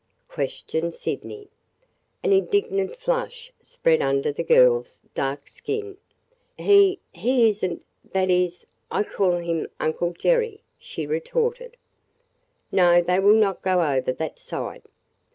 questioned Sydney. An indignant flush spread under the girl's dark skin. "He – he is n't – that is, I call him Uncle Jerry," she retorted. "No, they will not go over that side.